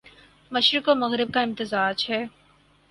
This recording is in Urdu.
مشرق و مغرب کا امتزاج ہے